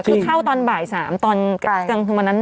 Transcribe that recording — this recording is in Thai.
คือเข้าตอนบ่าย๓ตอนกลางคืนวันนั้น